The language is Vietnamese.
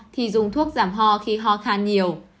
thì dùng thuốc giảm ho khi ho khan nhiều